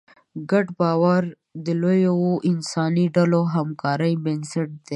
ګډ باور د لویو انساني ډلو د همکارۍ بنسټ دی.